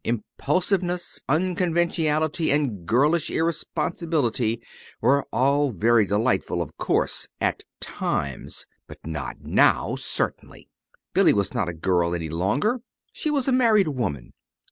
Impulsiveness, unconventionality, and girlish irresponsibility were all very delightful, of course at times; but not now, certainly. Billy was not a girl any longer. She was a married woman.